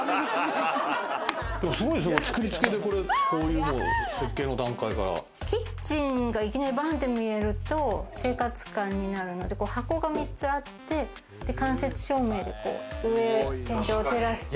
造り付けで、こういうの設計の段階から？キッチンがいきなりバン！て見えると生活感になるので、箱が３つあって間接照明で天井を照らすと。